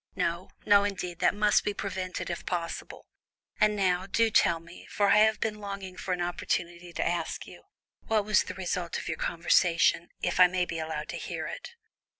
"No, no, indeed, that must be prevented if possible. And now, do tell me, for I have been longing for an opportunity to ask you, what was the result of your conversation, if I may be allowed to hear it?"